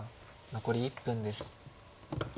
残り１分です。